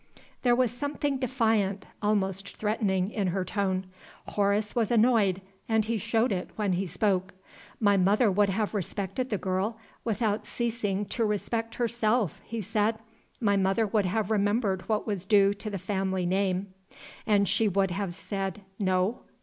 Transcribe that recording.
There was something defiant almost threatening in her tone. Horace was annoyed and he showed it when he spoke. "My mother would have respected the girl, without ceasing to respect herself," he said. "My mother would have remembered what was due to the family name." "And she would have said, No?"